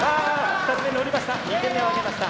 ２つ目乗りました。